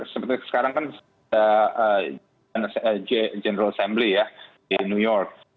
sekarang kan kita general assembly di new york